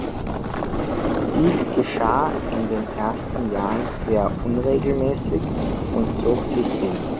Dies geschah in den ersten Jahren sehr unregelmäßig und zog sich hin.